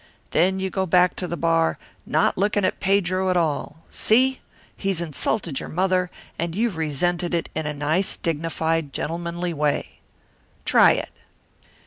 "Then you go back to the bar, not looking at Pedro at all. See? He's insulted your mother, and you've resented it in a nice, dignified, gentlemanly way. Try it."